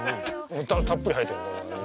歌たっぷり入ってる。